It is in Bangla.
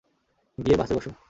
গিয়ে বাসে বসো!